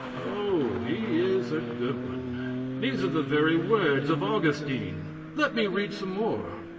Oh, he is a good one. These are the very words of Augustine. Let me read some more.